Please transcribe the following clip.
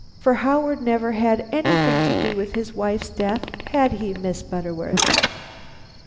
For Howard never had anything to do with his wife's death, had he, Miss Butterworth?"